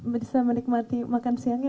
bisa menikmati makan siangnya